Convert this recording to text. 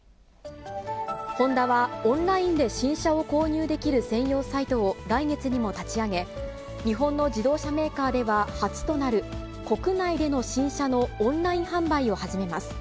ホンダは、オンラインで新車を購入できる専用サイトを、来月にも立ち上げ、日本の自動車メーカーでは、初となる、国内での新車のオンライン販売を始めます。